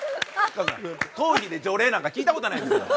頭皮で除霊なんか聞いたことないですよ。